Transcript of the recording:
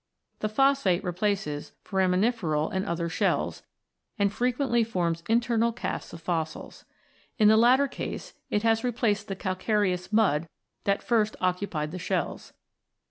The phosphate replaces fora miniferal and other shells, and frequently forms internal casts of fossils. In the latter case, it has replaced the calcareous mud that first occupied the shells.